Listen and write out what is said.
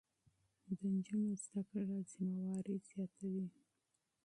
د نجونو زده کړه مسؤليت زياتوي.